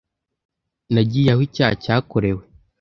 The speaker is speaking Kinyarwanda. Nagiye aho icyaha cyakorewe.